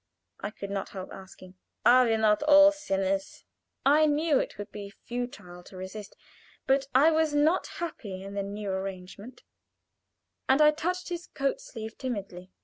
I could not help asking. "Are we not all sinners?" I knew it would be futile to resist, but I was not happy in the new arrangement, and I touched his coat sleeve timidly.